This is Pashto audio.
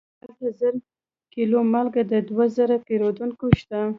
هلته زر کیلو مالګه او دوه زره پیرودونکي شته.